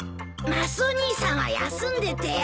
マスオ兄さんは休んでてよ。